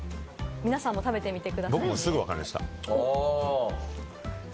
皆さんも食べてみてください。